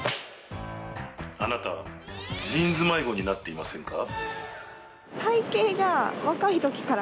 あなた、ジーンズ迷子になっていませんか？